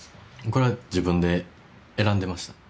これは自分で選んでました